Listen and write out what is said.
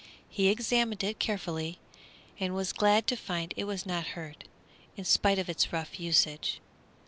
He examined it carefully, and was glad to find it was not hurt, in spite of its rough usage.